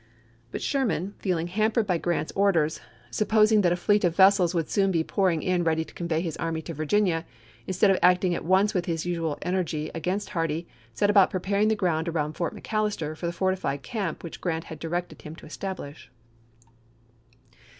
But Sherman, feeling hampered by Grant's or ders, supposing that a fleet of vessels would soon be pouring in ready to convey his army to Virginia, THE MARCH TO THE SEA 491 instead of acting at once with his usual energy chap.xx. against Hardee, set about preparing the ground around Fort McAllister for the fortified camp which Grant had directed him to establish.